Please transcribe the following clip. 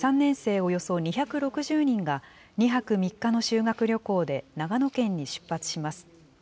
およそ２６０人が、２泊３日の修学旅行で長野県に出発します。